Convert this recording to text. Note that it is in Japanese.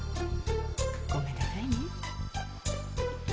ごめんなさいね。